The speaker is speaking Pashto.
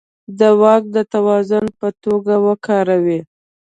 د واک د توازن په توګه وکاروي.